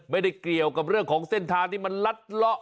ไม่ได้เกี่ยวกับเรื่องของเส้นทางที่มันลัดเลาะ